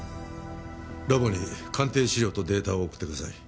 ラボに鑑定資料とデータを送ってください。